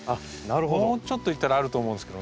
もうちょっと行ったらあると思うんですけどね。